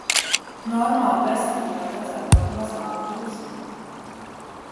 Normāli besī, ka var redzēt kaut mazāko gruzīti.